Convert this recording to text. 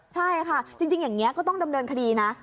ใช่ค่ะจริงอย่างนี้ก็ต้องดำเนินคดีนะ